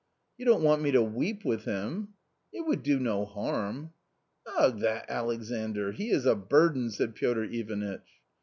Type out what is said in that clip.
"You don't want me to weep with him? "" It would do no harm." " Ugh, that Alexandr ; he is a burden !" said Piotr Ivanitch.